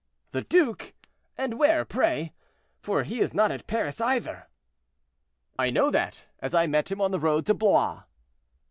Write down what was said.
"The duke! and where, pray? for he is not at Paris either!" "I know that, as I met him on the road to Blois."